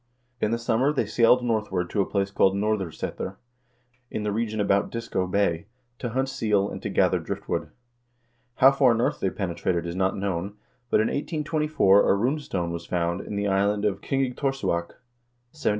In the summer they sailed northward to a place called Nor'Srsetur, in the region about Disco Bay, to hunt seal, and to gather driftwood. How far north they penetrated is not known, but in 1824 a rune stone was found in the island of Kingigtorsuak, 72° 55' 20" N.